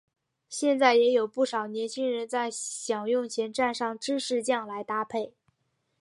现在也有不少年轻人在享用前沾上芝士酱来搭配。